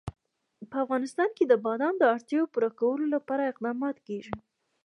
په افغانستان کې د بادام د اړتیاوو پوره کولو لپاره اقدامات کېږي.